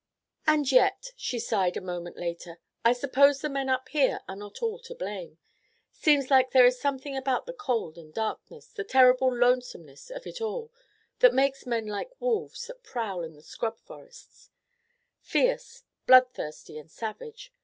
"And yet," she sighed a moment later, "I suppose the men up here are not all to blame. Seems like there is something about the cold and darkness, the terrible lonesomeness of it all, that makes men like wolves that prowl in the scrub forests—fierce, bloodthirsty and savage.